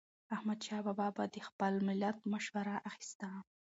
احمدشاه بابا به د خپل ملت مشوره اخیسته.